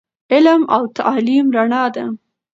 علم او تعليم رڼا ده